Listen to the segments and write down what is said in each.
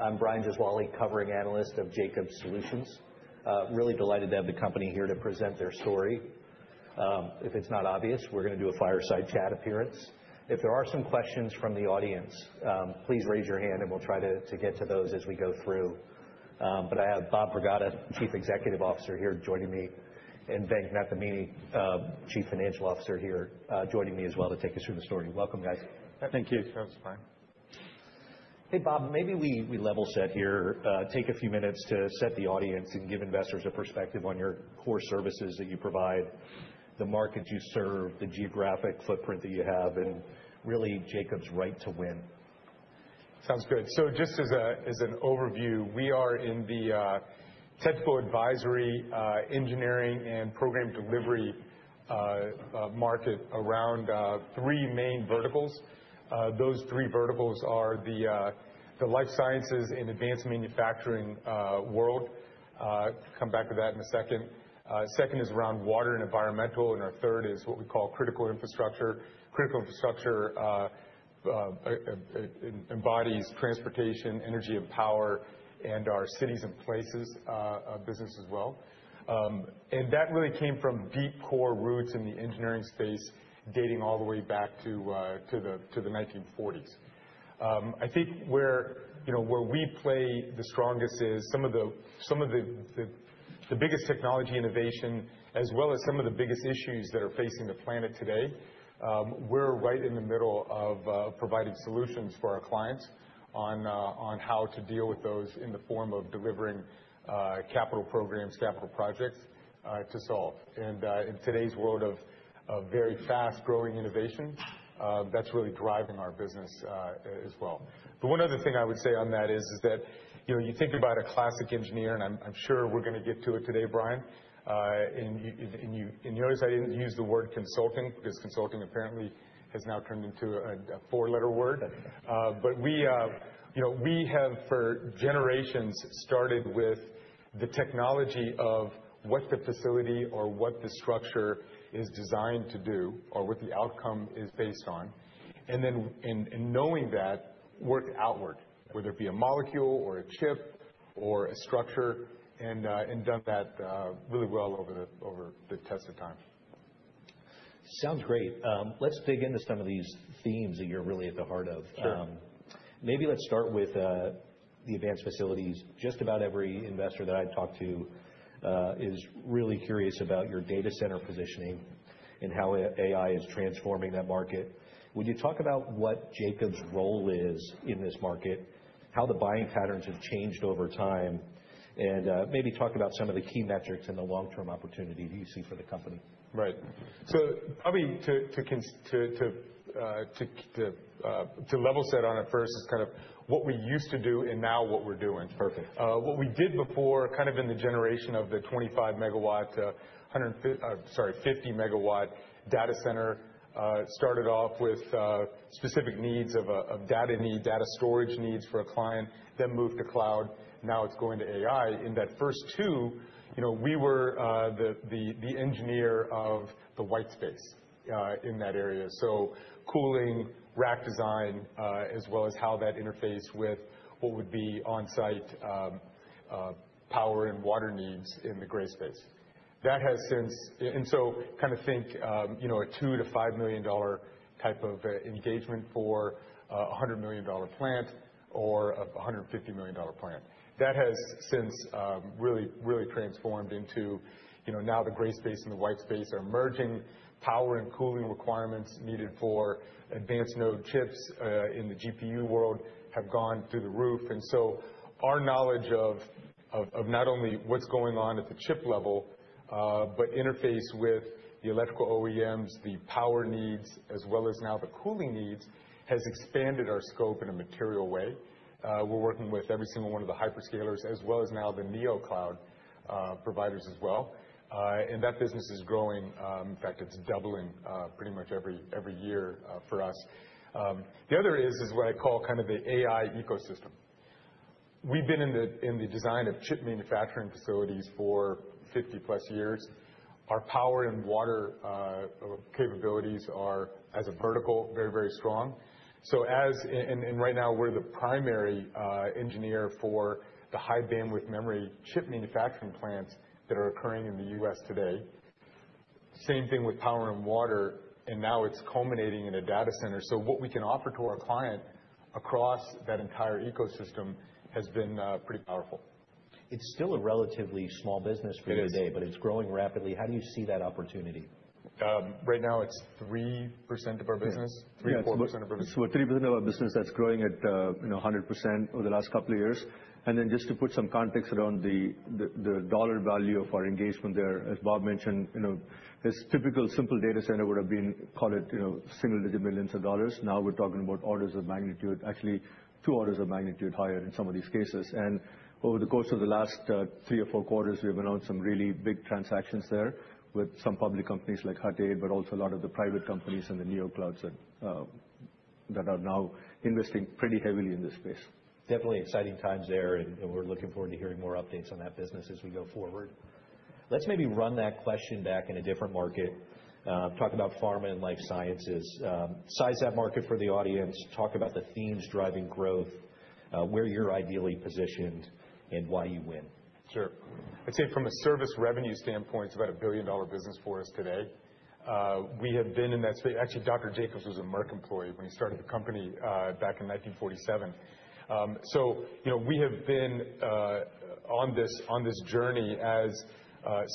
I'm Brian Gesuale, covering analyst of Jacobs Solutions. Really delighted to have the company here to present their story. If it's not obvious, we're gonna do a fireside chat appearance. If there are some questions from the audience, please raise your hand and we'll try to get to those as we go through. I have Bob Pragada, Chief Executive Officer here joining me, and Venk Nathamuni, Chief Financial Officer here joining me as well to take us through the story. Welcome, guys. Thank you. Thank you for having us, Brian. Hey, Bob, maybe we level set here, take a few minutes to set the audience and give investors a perspective on your core services that you provide, the markets you serve, the geographic footprint that you have, and really Jacobs' right to win. Sounds good. So just as an overview, we are in the technical advisory, engineering and program delivery market around three main verticals. Those three verticals are the life sciences and advanced manufacturing world. Come back to that in a second. Second is around water and environmental, and our third is what we call critical infrastructure. Critical infrastructure embodies transportation, energy and power, and our cities and places business as well. And that really came from deep core roots in the engineering space dating all the way back to the 1940s. I think where, you know, where we play the strongest is some of the biggest technology innovation as well as some of the biggest issues that are facing the planet today, we're right in the middle of providing solutions for our clients on how to deal with those in the form of delivering capital programs, capital projects to solve. In today's world of very fast-growing innovation, that's really driving our business as well. The one other thing I would say on that is that, you know, you think about a classic engineer, and I'm sure we're gonna get to it today, Brian. You notice I didn't use the word consulting, because consulting apparently has now turned into a four-letter word. We, you know, we have for generations started with the technology of what the facility or what the structure is designed to do or what the outcome is based on, and then and knowing that, work outward, whether it be a molecule or a chip or a structure, and done that really well over the, over the test of time. Sounds great. Let's dig into some of these themes that you're really at the heart of. Sure. Maybe let's start with the advanced facilities. Just about every investor that I've talked to is really curious about your data center positioning and how AI is transforming that market. Would you talk about what Jacobs' role is in this market, how the buying patterns have changed over time, and maybe talk about some of the key metrics and the long-term opportunity that you see for the company? Right. Probably to level set on it first is kind of what we used to do and now what we're doing. Perfect. What we did before, kind of in the generation of the 25 MW, sorry, 50 MW data center, started off with specific needs of data need, data storage needs for a client, then moved to cloud. Now it's going to AI. In that first two, you know, we were the engineer of the white space in that area. Cooling, rack design, as well as how that interfaced with what would be on-site power and water needs in the gray space. kind of think, you know, a $2 million-$5 million type of engagement for a $100 million plant or a $150 million plant. That has since really transformed into, you know, now the gray space and the white space are merging. Power and cooling requirements needed for advanced node chips in the GPU world have gone through the roof. Our knowledge of not only what's going on at the chip level, but interface with the electrical OEMs, the power needs, as well as now the cooling needs, has expanded our scope in a material way. We're working with every single one of the hyperscalers as well as now the neocloud providers as well. That business is growing, in fact, it's doubling pretty much every year for us. The other is what I call kind of the AI ecosystem. We've been in the design of chip manufacturing facilities for 50+ years. Our power and water capabilities are, as a vertical, very, very strong. As, and right now we're the primary engineer for the high-bandwidth memory chip manufacturing plants that are occurring in the U.S. today. Same thing with power and water, and now it's culminating in a data center. What we can offer to our client across that entire ecosystem has been pretty powerful. It's still a relatively small business for you today. It is. It's growing rapidly. How do you see that opportunity? Right now it's 3% of our business. Yeah. 3% or 4% of our business. 3% of our business that's growing at, you know, 100% over the last couple of years. Just to put some context around the dollar value of our engagement there, as Bob mentioned, you know, this typical simple data center would have been, call it, you know, single-digit millions of dollars. Now we're talking about orders of magnitude, actually two orders of magnitude higher in some of these cases. Over the course of the last three or four quarters, we've announced some really big transactions there with some public companies like Hut 8, but also a lot of the private companies and the neoclouds that are now investing pretty heavily in this space. Definitely exciting times there, and we're looking forward to hearing more updates on that business as we go forward. Let's maybe run that question back in a different market, talk about pharma and life sciences. Size that market for the audience. Talk about the themes driving growth, where you're ideally positioned and why you win. Sure. I'd say from a service revenue standpoint, it's about a billion-dollar business for us today. We have been in that space. Actually, Dr. Jacobs was a Merck employee when he started the company, back in 1947. you know, we have been on this journey as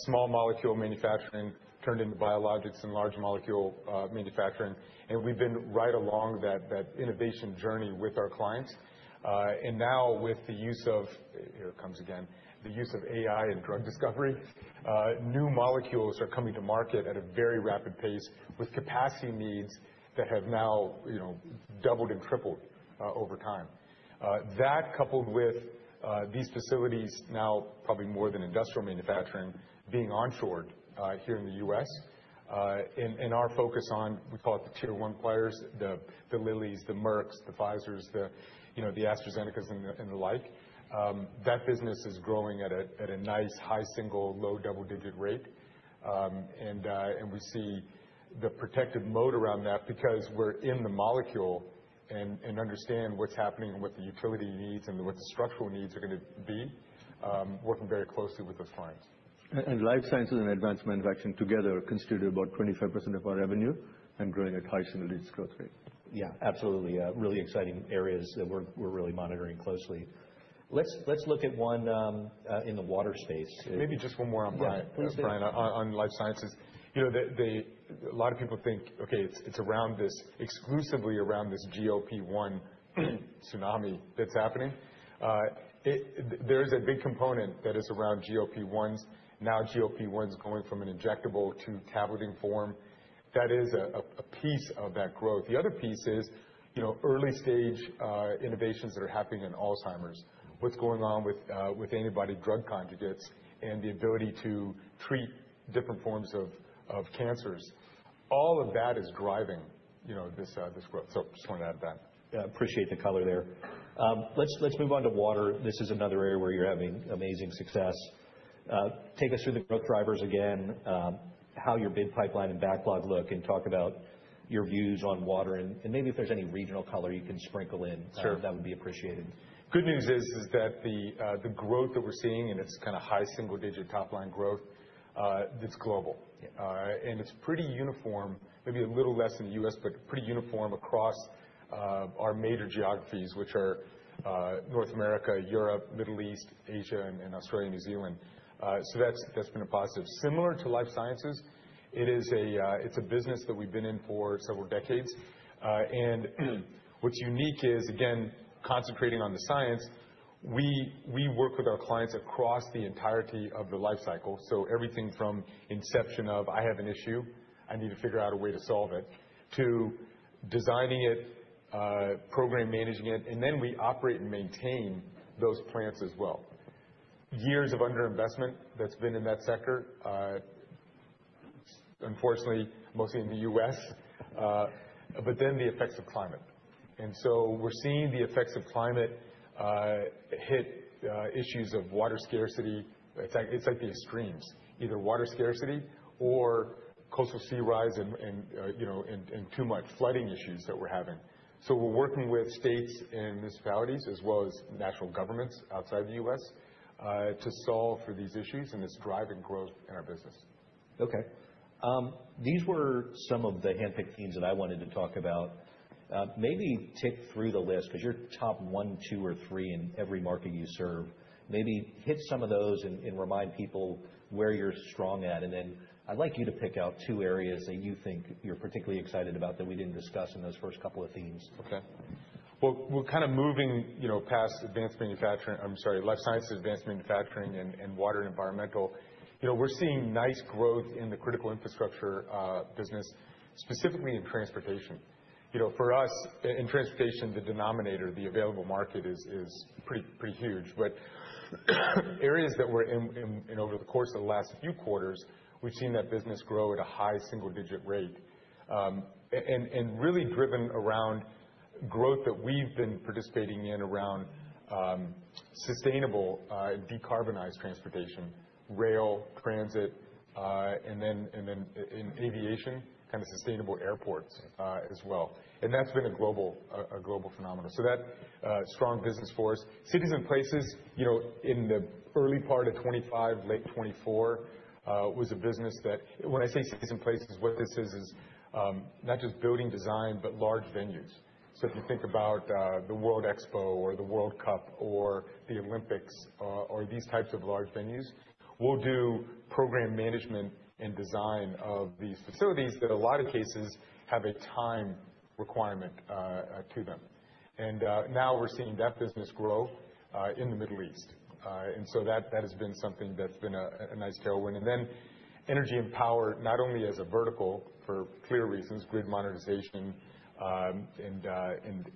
small molecule manufacturing turned into biologics and large molecule manufacturing. We've been right along that innovation journey with our clients. Now with the use of, here it comes again, the use of AI in drug discovery, new molecules are coming to market at a very rapid pace with capacity needs that have now, you know, doubled and tripled over time. That coupled with these facilities now, probably more than industrial manufacturing being onshored, here in the U.S., in our focus on, we call it the tier one players, the Lillys, the Mercks, the Pfizers, the, you know, the AstraZenecas and the like, that business is growing at a nice high single, low double-digit rate. We see the protective moat around that because we're in the molecule and understand what's happening and what the utility needs and what the structural needs are gonna be, working very closely with those clients. Life sciences and advanced manufacturing together constitute about 25% of our revenue and growing at high single digits growth rate. Yeah, absolutely. Really exciting areas that we're really monitoring closely. Let's look at one in the water space. Maybe just one more on Brian. Yeah. Please do. Brian, on life sciences. You know, they a lot of people think, okay, it's exclusively around this GLP-1 tsunami that's happening. There is a big component that is around GLP-1s. Now GLP-1 is going from an injectable to tableting form. That is a piece of that growth. The other piece is, you know, early-stage innovations that are happening in Alzheimer's, what's going on with antibody-drug conjugates and the ability to treat different forms of cancers. All of that is driving, you know, this growth. Just wanna add that. Yeah, appreciate the color there. let's move on to water. This is another area where you're having amazing success. take us through the growth drivers again, how your bid pipeline and backlogs look, and talk about your views on water and maybe if there's any regional color you can sprinkle in? Sure. That would be appreciated. Good news is that the growth that we're seeing, and it's kinda high single digit top-line growth, it's global. It's pretty uniform, maybe a little less in the U.S., but pretty uniform across our major geographies, which are North America, Europe, Middle East, Asia and Australia, New Zealand. That's been a positive. Similar to life sciences, it's a business that we've been in for several decades. What's unique is, again, concentrating on the science, we work with our clients across the entirety of the life cycle. Everything from inception of, "I have an issue, I need to figure out a way to solve it," to designing it, program managing it, and then we operate and maintain those plants as well. Years of underinvestment that's been in that sector, unfortunately, mostly in the U.S., but then the effects of climate. We're seeing the effects of climate hit issues of water scarcity. It's like the extremes, either water scarcity or coastal sea rise and, you know, and too much flooding issues that we're having. We're working with states and municipalities as well as national governments outside the U.S., to solve for these issues, and it's driving growth in our business. Okay. These were some of the handpicked themes that I wanted to talk about. Maybe tick through the list 'cause you're top one, two or three in every market you serve. Maybe hit some of those and remind people where you're strong at. Then I'd like you to pick out two areas that you think you're particularly excited about that we didn't discuss in those first couple of themes. Okay. Well, we're kind of moving, you know, past I'm sorry, life sciences, advanced manufacturing and water and environmental. You know, we're seeing nice growth in the critical infrastructure business, specifically in transportation. You know, for us in transportation, the denominator, the available market is pretty huge. Areas that we're in over the course of the last few quarters, we've seen that business grow at a high single-digit rate. And really driven around growth that we've been participating in around sustainable decarbonized transportation, rail, transit, and then in aviation, kind of sustainable airports as well. That's been a global a global phenomenon. That strong business for us. Cities and places, you know, in the early part of 2025, late 2024, was a business that When I say cities and places, what this is not just building design, but large venues. If you think about the World Expo or the World Cup or the Olympics or these types of large venues, we'll do program management and design of these facilities that a lot of cases have a time requirement to them. Now we're seeing that business grow in the Middle East. that has been something that's been a nice tailwind. Then energy and power, not only as a vertical for clear reasons, grid modernization, and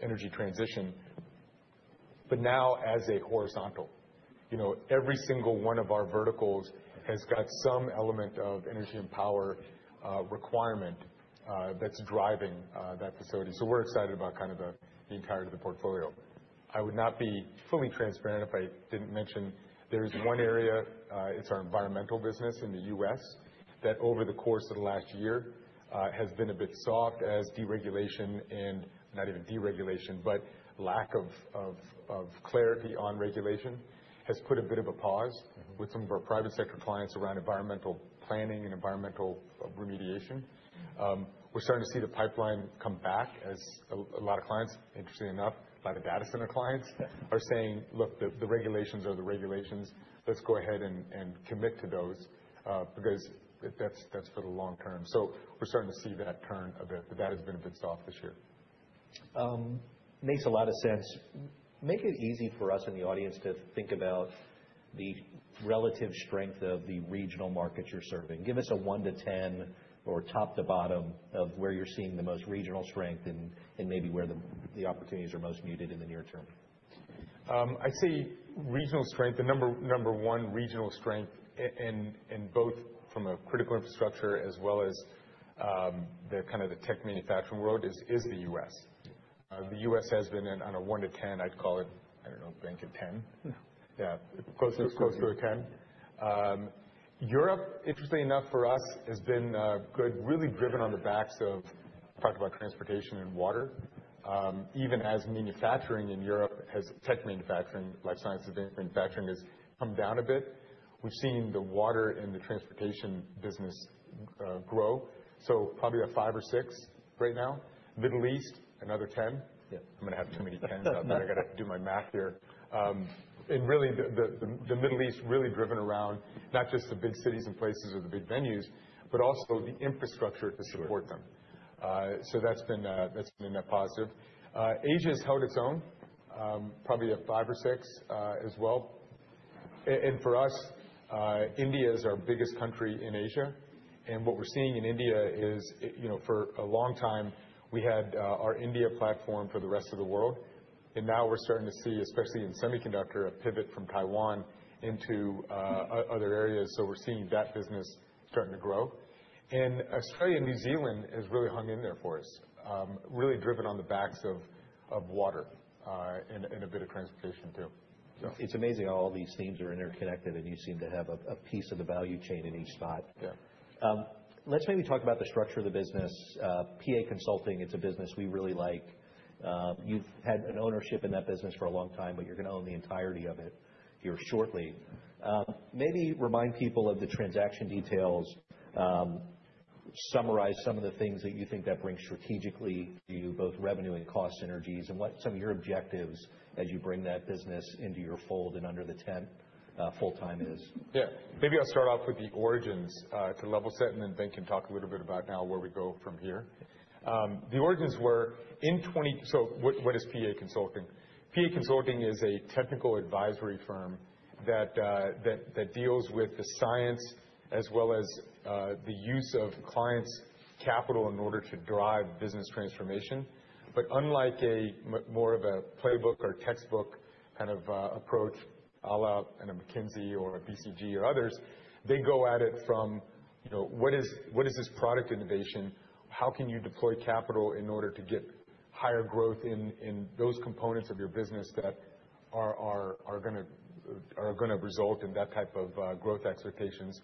energy transition, but now as a horizontal. You know, every single one of our verticals has got some element of energy and power requirement that's driving that facility. We're excited about kind of the entirety of the portfolio. I would not be fully transparent if I didn't mention there is one area, it's our environmental business in the U.S., that over the course of the last year has been a bit soft as deregulation not even deregulation, but lack of clarity on regulation has put a bit of a pause with some of our private sector clients around environmental planning and environmental remediation. We're starting to see the pipeline come back as a lot of clients, interestingly enough, a lot of data center clients are saying, "Look, the regulations are the regulations. Let's go ahead and commit to those, because that's for the long term." We're starting to see that turn a bit, but that has been a bit soft this year. Makes a lot of sense. Make it easy for us in the audience to think about the relative strength of the regional markets you're serving. Give us a one to 10 or top to bottom of where you're seeing the most regional strength and maybe where the opportunities are most muted in the near term. I'd say regional strength, the number one regional strength in both from a critical infrastructure as well as, the kind of the tech manufacturing world is the U.S. The U.S. has been in on a one to 10, I'd call it, I don't know, bank of 10. Yeah. Close to a 10. Europe, interestingly enough for us, has been good, really driven on the backs of talk about transportation and water. Even as manufacturing in Europe has, tech manufacturing, life sciences manufacturing has come down a bit. We've seen the water and the transportation business grow, so probably a five or six right now. Middle East, another 10. Yeah. I'm gonna have too many 10s. I gotta do my math here. Really the, the Middle East really driven around not just the big cities and places or the big venues, but also the infrastructure to support them. That's been a positive. Asia's held its own, probably a five or six as well. For us, India is our biggest country in Asia, and what we're seeing in India is, you know, for a long time we had our India platform for the rest of the world, and now we're starting to see, especially in semiconductor, a pivot from Taiwan into other areas, so we're seeing that business starting to grow. Australia and New Zealand has really hung in there for us, really driven on the backs of water, and a bit of transportation too. It's amazing how all these themes are interconnected. You seem to have a piece of the value chain in each spot. Yeah. Let's maybe talk about the structure of the business. PA Consulting, it's a business we really like. You've had an ownership in that business for a long time, but you're gonna own the entirety of it here shortly. Maybe remind people of the transaction details, summarize some of the things that you think that brings strategically to you both revenue and cost synergies, and what some of your objectives as you bring that business into your fold and under the tent, full-time is. Yeah. Maybe I'll start off with the origins to level set, and then Venk can talk a little bit about now where we go from here. What is PA Consulting? PA Consulting is a technical advisory firm that deals with the science as well as the use of clients' capital in order to drive business transformation. Unlike a more of a playbook or textbook kind of approach à la a McKinsey or a BCG or others, they go at it from, you know, what is this product innovation? How can you deploy capital in order to get higher growth in those components of your business that are gonna result in that type of growth expectations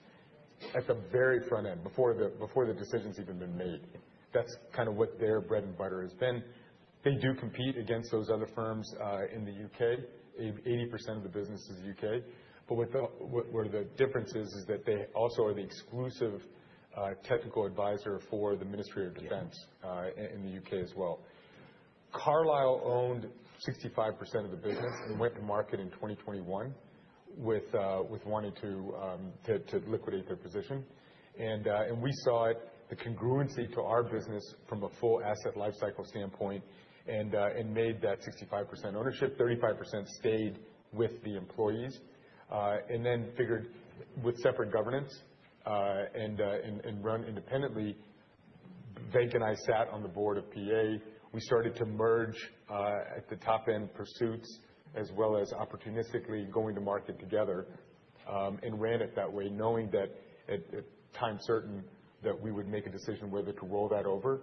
at the very front end, before the decision's even been made? That's kind of what their bread and butter has been. They do compete against those other firms in the U.K. 80% of the business is U.K. What where the difference is that they also are the exclusive technical advisor for the Ministry of Defence in the U.K. as well. Carlyle owned 65% of the business and went to market in 2021 with wanting to liquidate their position. We saw it, the congruency to our business from a full asset lifecycle standpoint and made that 65% ownership. 35% stayed with the employees and then figured with separate governance and run independently. Venk and I sat on the board of PA. We started to merge at the top end pursuits as well as opportunistically going to market together, and ran it that way, knowing that at time certain, that we would make a decision whether to roll that over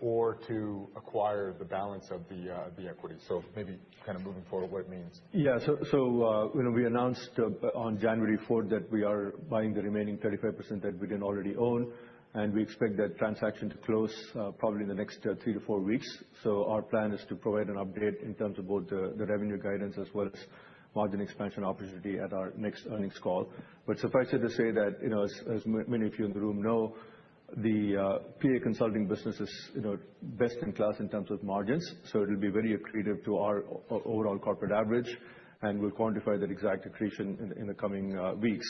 or to acquire the balance of the equity. Maybe kind of moving forward what it means. Yeah. You know, we announced on January fourth that we are buying the remaining 35% that we didn't already own, and we expect that transaction to close, probably in the next three to four weeks. Our plan is to provide an update in terms of both the revenue guidance as well as margin expansion opportunity at our next earnings call. Suffice it to say that, you know, as many of you in the room know, the PA Consulting business is, you know, best in class in terms of margins, so it'll be very accretive to our overall corporate average, and we'll quantify that exact accretion in the coming weeks.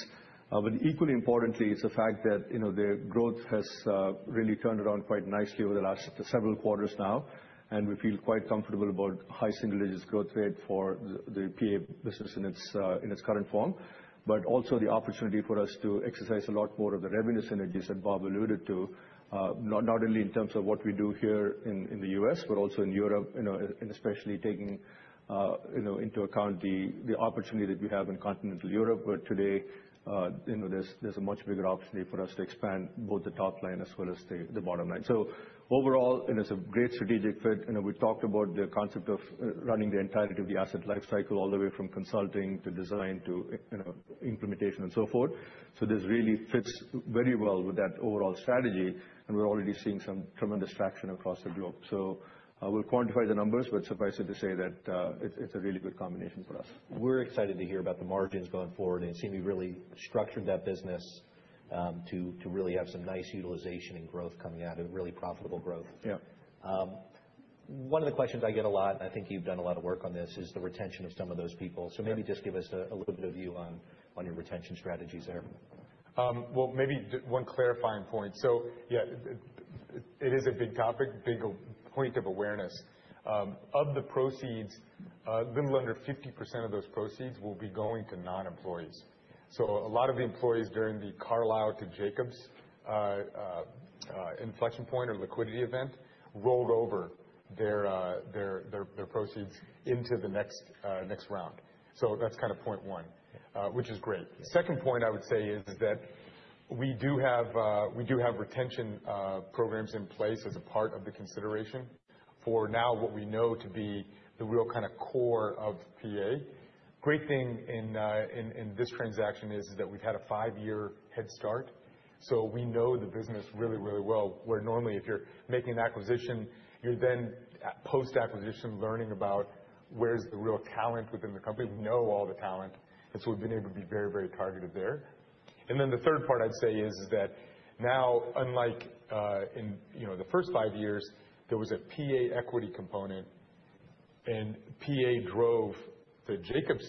Equally importantly is the fact that, you know, the growth has really turned around quite nicely over the last several quarters now, and we feel quite comfortable about high single digits growth rate for the PA business in its current form. Also the opportunity for us to exercise a lot more of the revenue synergies that Bob alluded to, not only in terms of what we do here in the U.S., but also in Europe, you know, and especially taking, you know, into account the opportunity that we have in continental Europe, where today, you know, there's a much bigger opportunity for us to expand both the top line as well as the bottom line. Overall, and it's a great strategic fit, you know, we talked about the concept of running the entirety of the asset life cycle all the way from consulting to design to, you know, implementation and so forth. This really fits very well with that overall strategy, and we're already seeing some tremendous traction across the globe. I will quantify the numbers, but suffice it to say that it's a really good combination for us. We're excited to hear about the margins going forward, and it seems you've really structured that business, to really have some nice utilization and growth coming out of it, really profitable growth. Yeah. One of the questions I get a lot, and I think you've done a lot of work on this, is the retention of some of those people. Yeah. Maybe just give us a little bit of view on your retention strategies there. Well, maybe one clarifying point. Yeah, it is a big topic, big point of awareness. Of the proceeds, a little under 50% of those proceeds will be going to non-employees. A lot of the employees during the Carlyle to Jacobs inflection point or liquidity event rolled over their proceeds into the next round. That's kind of point one, which is great. The second point I would say is that we do have retention programs in place as a part of the consideration for now what we know to be the real kind of core of PA. Great thing in this transaction is that we've had a five-year head start, so we know the business really, really well. Where normally, if you're making an acquisition, you're then, post-acquisition, learning about where's the real talent within the company. We know all the talent, so we've been able to be very, very targeted there. The third part I'd say is that now, unlike, in, you know, the first five years, there was a PA equity component, and PA drove the Jacobs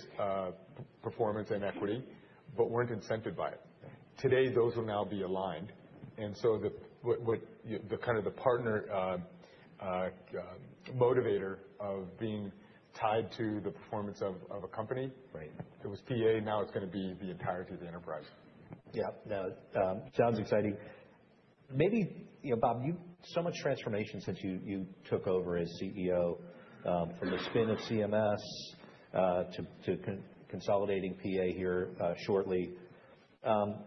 performance and equity, but weren't incented by it. Today, those will now be aligned. The, what, the kind of the partner motivator of being tied to the performance of a company. Right. It was PA, now it's gonna be the entirety of the enterprise. No, sounds exciting. Maybe, you know, Bob, so much transformation since you took over as CEO, from the spin of CMS, to consolidating PA here, shortly.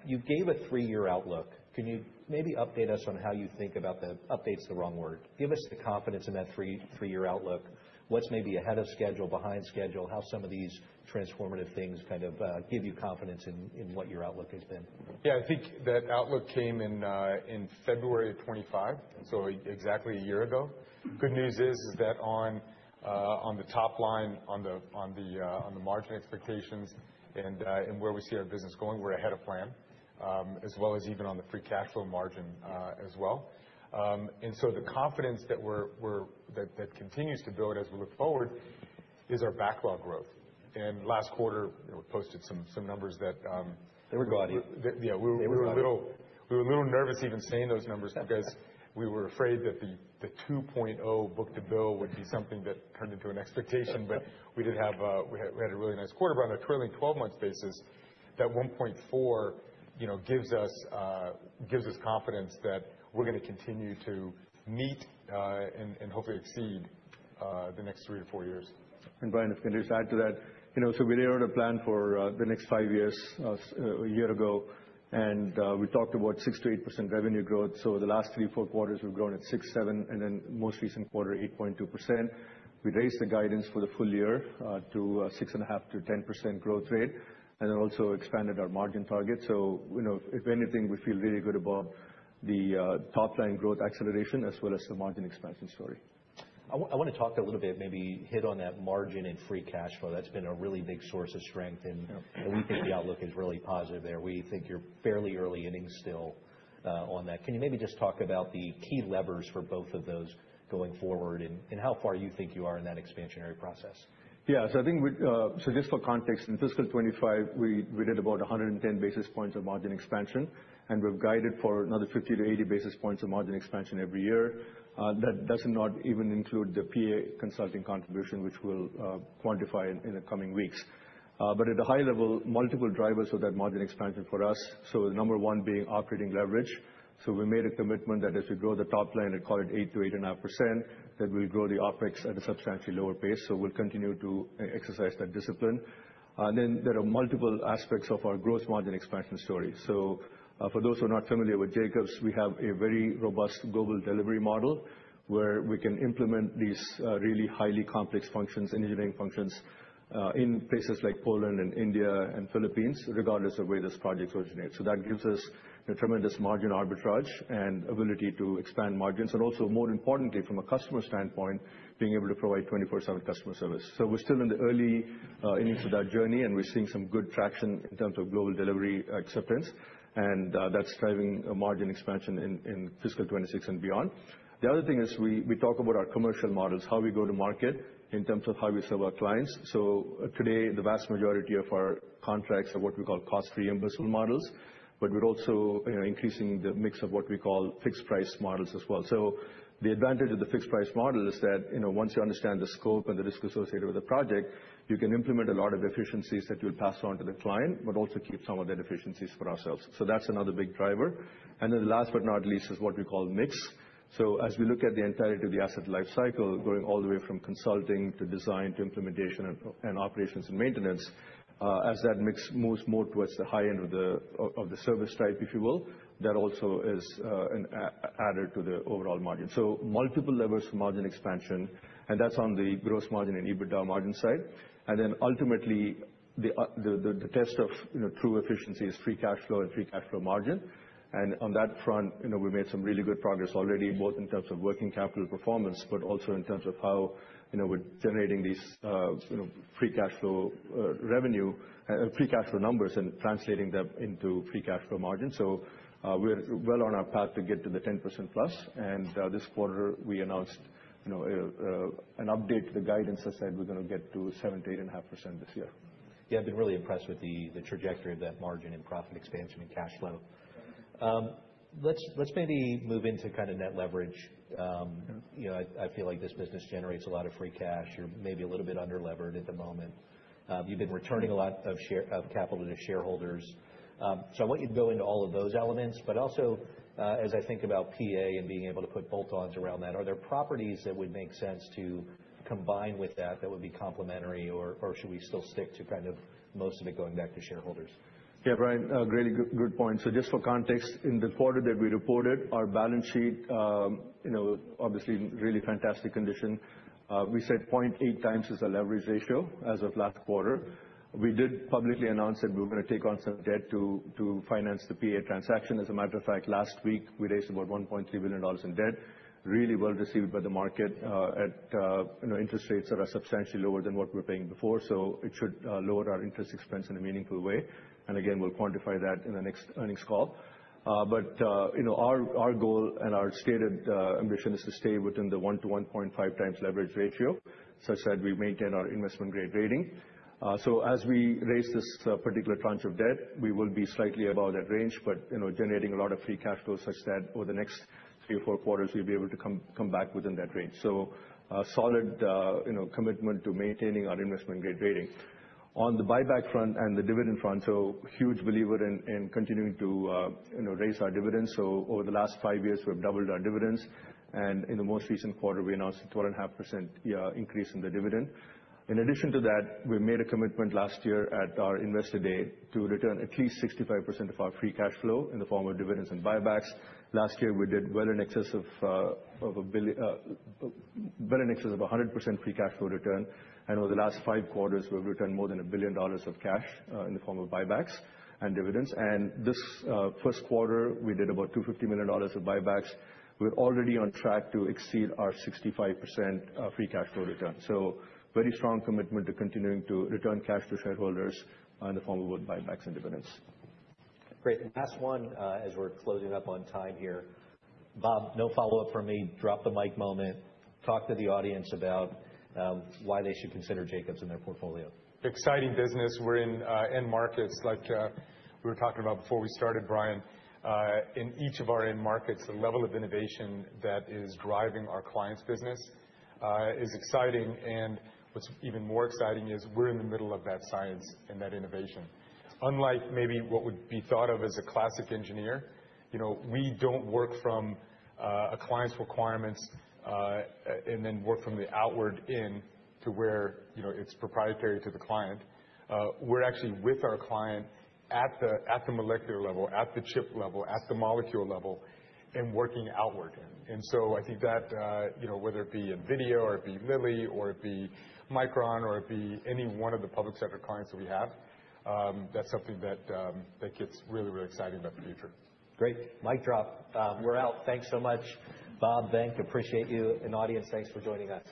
You gave a three-year outlook. Can you maybe update us on how you think about update's the wrong word? Give us the confidence in that three-year outlook. What's maybe ahead of schedule, behind schedule? How some of these transformative things kind of give you confidence in what your outlook has been? Yeah. I think that outlook came in in February of 2025, so exactly a year ago. Good news is that on the top line, on the margin expectations and where we see our business going, we're ahead of plan, as well as even on the free cash flow margin, as well. The confidence that we're, that continues to build as we look forward is our backlog growth. Last quarter, you know, we posted some numbers that. They were gaudy. Yeah. We were- They were gaudy. We were a little nervous even saying those numbers because we were afraid that the 2.0 book-to-bill would be something that turned into an expectation. We did have a, we had a really nice quarter. On a trailing 12-month basis, that 1.4, you know, gives us confidence that we're gonna continue to meet, and hopefully exceed the next three to four years. Brian, if I can just add to that. You know, we laid out a plan for the next five years one year ago, and we talked about 6%-8% revenue growth. The last three, four quarters, we've grown at 6%, 7%, and then most recent quarter, 8.2%. We raised the guidance for the full-year, to 6.5%-10% growth rate, and then also expanded our margin target. You know, if anything, we feel really good about the top line growth acceleration as well as the margin expansion story. I wanna talk a little bit, maybe hit on that margin and free cash flow. That's been a really big source of strength. Yeah. We think the outlook is really positive there. We think you're fairly early innings still on that. Can you maybe just talk about the key levers for both of those going forward and how far you think you are in that expansionary process? Yeah. I think we, just for context, in fiscal year 2025, we did about 110 basis points of margin expansion, and we've guided for another 50-80 basis points of margin expansion every year. That does not even include the PA Consulting contribution, which we'll quantify in the coming weeks. At a high level, multiple drivers of that margin expansion for us, the number one being operating leverage. We made a commitment that as we grow the top line at call it 8% to 8.5%, that we'll grow the OpEx at a substantially lower pace. We'll continue to exercise that discipline. There are multiple aspects of our gross margin expansion story. For those who are not familiar with Jacobs, we have a very robust global delivery model, where we can implement these really highly complex functions and engineering functions in places like Poland and India and Philippines, regardless of where this project originates. That gives us a tremendous margin arbitrage and ability to expand margins. Also more importantly, from a customer standpoint, being able to provide 24/7 customer service. We're still in the early innings of that journey, and we're seeing some good traction in terms of global delivery acceptance, and that's driving a margin expansion in fiscal year 2026 and beyond. The other thing is we talk about our commercial models, how we go to market in terms of how we serve our clients. Today, the vast majority of our contracts are what we call cost-reimbursement models, but we're also, you know, increasing the mix of what we call fixed-price models as well. The advantage of the fixed-price model is that, you know, once you understand the scope and the risk associated with the project, you can implement a lot of efficiencies that you'll pass on to the client, but also keep some of the efficiencies for ourselves. That's another big driver. Last but not least is what we call mix. As we look at the entirety of the asset life cycle, going all the way from consulting to design to implementation and operations and maintenance, as that mix moves more towards the high end of the service type, if you will, that also is an added to the overall margin. Multiple levers for margin expansion, and that's on the gross margin and EBITDA margin side. Ultimately, the test of, you know, true efficiency is free cash flow and free cash flow margin. On that front, you know, we made some really good progress already, both in terms of working capital performance, but also in terms of how, you know, we're generating these, you know, free cash flow, revenue, free cash flow numbers and translating them into free cash flow margin. We're well on our path to get to the 10%+. This quarter, we announced, you know, an update to the guidance that said we're gonna get to 7%-8.5% this year. Yeah. I've been really impressed with the trajectory of that margin and profit expansion and cash flow. Let's maybe move into kind of net leverage. You know, I feel like this business generates a lot of free cash. You're maybe a little bit underlevered at the moment. You've been returning a lot of capital to shareholders. I want you to go into all of those elements, but also, as I think about PA and being able to put bolt-ons around that, are there properties that would make sense to combine with that that would be complementary, or should we still stick to kind of most of it going back to shareholders? Brian, a really good point. Just for context, in the quarter that we reported, our balance sheet, you know, obviously in really fantastic condition. We said 0.8x is a leverage ratio as of last quarter. We did publicly announce that we were gonna take on some debt to finance the PA transaction. As a matter of fact, last week, we raised about $1.3 billion in debt. Really well received by the market, at, you know, interest rates that are substantially lower than what we were paying before. It should lower our interest expense in a meaningful way. Again, we'll quantify that in the next earnings call. But, you know, our goal and our stated ambition is to stay within the one to 1.5x leverage ratio, such that we maintain our investment-grade rating. As we raise this particular tranche of debt, we will be slightly above that range, but, you know, generating a lot of free cash flow such that over the next three or four quarters we'll be able to come back within that range. A solid, you know, commitment to maintaining our investment-grade rating. On the buyback front and the dividend front, huge believer in continuing to, you know, raise our dividends. Over the last five years, we've doubled our dividends, and in the most recent quarter, we announced a 2.5% increase in the dividend. In addition to that, we made a commitment last year at our investor day to return at least 65% of our free cash flow in the form of dividends and buybacks. Last year, we did well in excess of well in excess of 100% free cash flow return, and over the last five quarters, we've returned more than $1 billion of cash in the form of buybacks and dividends. This first quarter, we did about $250 million of buybacks. We're already on track to exceed our 65% free cash flow return. Very strong commitment to continuing to return cash to shareholders in the form of both buybacks and dividends. Great. Last one, as we're closing up on time here. Bob, no follow-up from me. Drop-the-mic moment. Talk to the audience about why they should consider Jacobs in their portfolio. Exciting business. We're in end markets like we were talking about before we started, Brian. In each of our end markets, the level of innovation that is driving our clients' business is exciting. What's even more exciting is we're in the middle of that science and that innovation. Unlike maybe what would be thought of as a classic engineer, you know, we don't work from a client's requirements and then work from the outward in to where, you know, it's proprietary to the client. We're actually with our client at the molecular level, at the chip level, at the molecule level, and working outward. I think that, you know, whether it be NVIDIA or it be Lilly or it be Micron, or it be any one of the public sector clients that we have, that's something that gets really exciting about the future. Great. Mic drop. We're out. Thanks so much, Bob, Venk. Appreciate you. Audience, thanks for joining us.